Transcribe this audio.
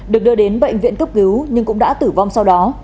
được đưa đến bệnh viện cấp cứu nhưng cũng đã tử vong sau đó